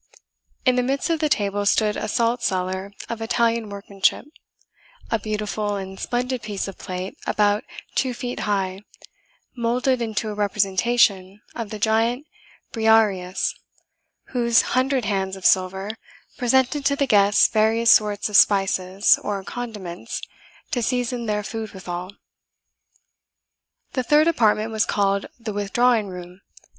In the midst of the table stood a salt cellar of Italian workmanship a beautiful and splendid piece of plate about two feet high, moulded into a representation of the giant Briareus, whose hundred hands of silver presented to the guests various sorts of spices, or condiments, to season their food withal. The third apartment was called the withdrawing room.